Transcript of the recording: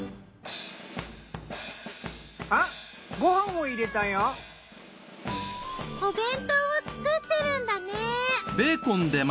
あっご飯を入れたよ！お弁当を作ってるんだね。